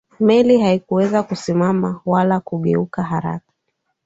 meli haikuweza kusimama wala kugeuka haraka